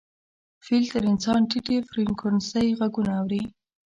فیل تر انسان ټیټې فریکونسۍ غږونه اوري.